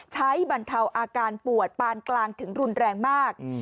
บรรเทาอาการปวดปานกลางถึงรุนแรงมาก